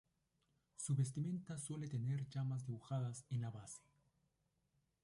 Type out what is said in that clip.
Su vestimenta suele tener llamas dibujadas en la base.